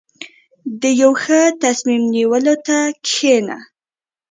• د یو ښه تصمیم نیولو ته کښېنه.